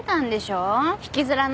引きずらないの。